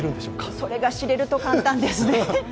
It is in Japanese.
それが知れると簡単ですね。